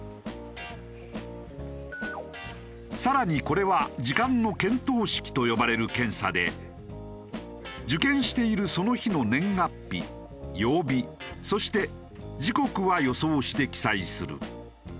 更にこれは時間の見当識と呼ばれる検査で受験しているその日の年月日曜日そして時刻は予想して記載する。